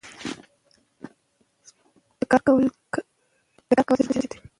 پاراسټامول د مېګرین کنټرول کې کارول کېږي.